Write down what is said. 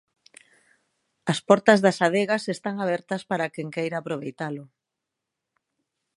As portas das adegas están abertas para quen queira aproveitalo.